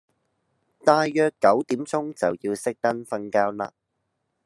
大約九點鐘就要熄燈瞓覺嘞